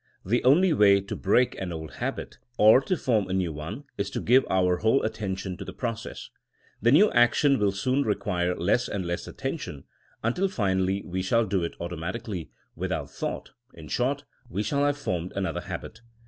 The only way to break an old habit or to form a new one is to give our whole attention to the process. The new action will soon require less and less attention, nntil finally we shaU do it automatically, without thought — ^in short, we shall have formed another habit.